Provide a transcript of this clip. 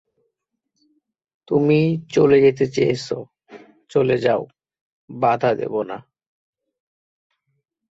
ছবিটিতে তিনি star screen award জিতেছিলেন, একজন শিশু শিল্পী হিসাবে।